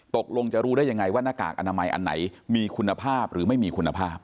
ตกลงจะรู้ได้ยังไงว่าหน้ากากอนามัยอันไหนมีคุณภาพหรือไม่มีคุณภาพ